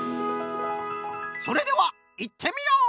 それではいってみよう！